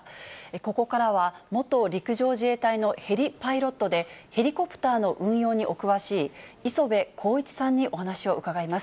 ここからは、元陸上自衛隊のヘリパイロットで、ヘリコプターの運用にお詳しい、磯部晃一さんにお話を伺います。